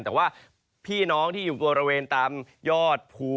แต่ว่าพี่น้องที่อยู่บริเวณตามยอดภู